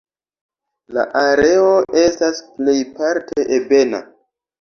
La areo estas plejparte ebena.